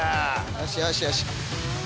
よしよしよし。